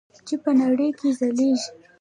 چې په نړۍ کې ځلیږي.